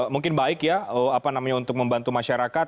mungkin baik ya apa namanya untuk membantu masyarakat